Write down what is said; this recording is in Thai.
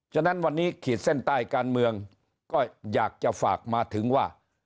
ฉะนั้นวันนี้ขีดเส้นใต้การเมืองก็อยากจะฝากมาถึงว่า